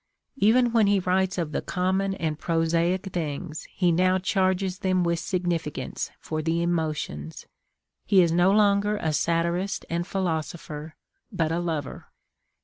Even when he writes of the common and prosaic things he now charges them with significance for the emotions. He is no longer a satirist and philosopher, but a lover.